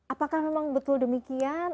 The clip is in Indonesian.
apakah memang betul demikian